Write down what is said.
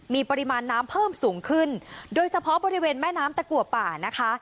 มีปริมาณน้ำเพิ่มสูงขึ้นโดยเฉพาะบริเวณแม่น้ำตะกัวป่านะคะ